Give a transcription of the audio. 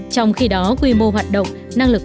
trong khi đó quy mô hoạt động năng lực